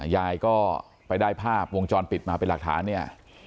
ยายก็ไปได้ภาพวงจรปิดมาเป็นหลักฐานเนี่ย